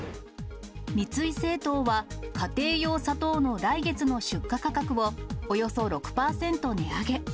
三井製糖は、家庭用砂糖の来月の出荷価格を、およそ６％値上げ。